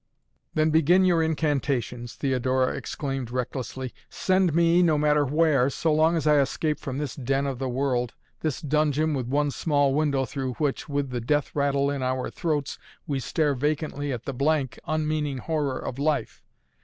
"Then begin your incantations," Theodora exclaimed recklessly. "Send me, no matter where, so long as I escape from this den of the world, this dungeon with one small window through which, with the death rattle in our throats, we stare vacantly at the blank, unmeaning horror of life.